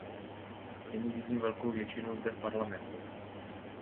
Nyní vidím velkou většinu zde v Parlamentu.